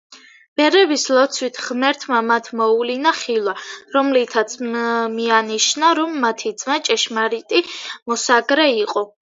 ბერების ლოცვით ღმერთმა მათ მოუვლინა ხილვა, რომლითაც მიანიშნა, რომ მათი ძმა ჭეშმარიტი მოსაგრე იყო.